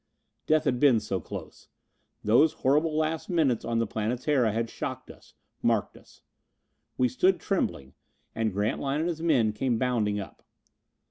Death had been so close! Those horrible last minutes on the Planetara had shocked us, marked us. We stood trembling. And Grantline and his men came bounding up.